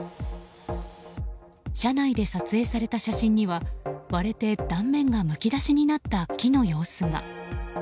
車内で撮影された写真には割れて断面がむき出しになった木の様子が。